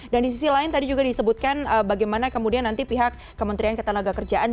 dan di sisi lain tadi juga disebutkan bagaimana kemudian nanti pihak kementerian ketenagakerjaan